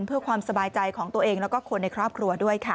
เพื่อความสบายใจของตัวเองแล้วก็คนในครอบครัวด้วยค่ะ